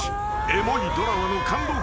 ［エモいドラマの感動